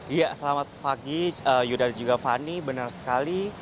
iya selamat pagi yudha juga fani benar sekali